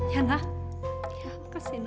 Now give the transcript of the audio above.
ya makasih ma